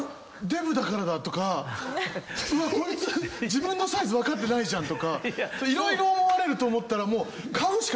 デブだからだとかうわっこいつ自分のサイズ分かってないじゃんとか色々思われると思ったらもう。